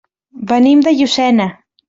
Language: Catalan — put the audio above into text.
Venim de Llucena.